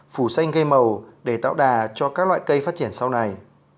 phủ xanh cây màu để tạo đà cho các loại cây phát triển sau này